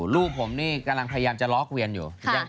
ลูกผมนี่กำลังพยายามจะล็อกเวียนอยู่